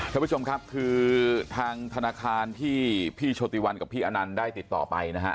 ท่านผู้ชมครับคือทางธนาคารที่พี่โชติวันกับพี่อนันต์ได้ติดต่อไปนะฮะ